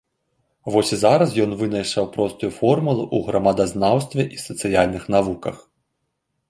Вось і зараз ён вынайшаў простую формулу ў грамадазнаўстве і сацыяльных навуках.